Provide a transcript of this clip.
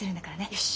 よし！